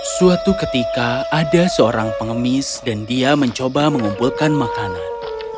suatu ketika ada seorang pengemis dan dia mencoba mengumpulkan makanan